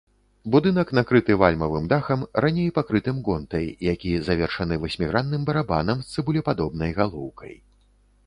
Будынак накрыты вальмавым дахам, раней пакрытым гонтай, які завершаны васьмігранным барабанам з цыбулепадобнай галоўкай.